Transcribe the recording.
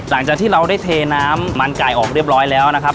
หลังจากที่เราได้เทน้ำมันไก่ออกเรียบร้อยแล้วนะครับ